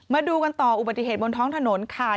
มาดูกันต่ออุบัติเหตุบนท้องถนนค่ะ